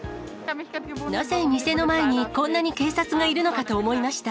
なぜ店の前に、こんなに警察がいるのかと思いました。